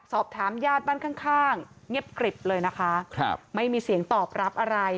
สอบถามญาติบ้านข้างข้างเงียบกริบเลยนะคะครับไม่มีเสียงตอบรับอะไร